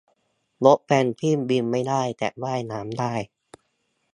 นกเพนกวินบินไม่ได้ แต่ว่ายน้ำได้